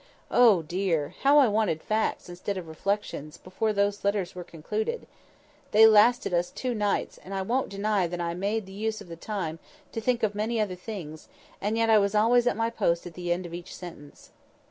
Oh dear! how I wanted facts instead of reflections, before those letters were concluded! They lasted us two nights; and I won't deny that I made use of the time to think of many other things, and yet I was always at my post at the end of each sentence.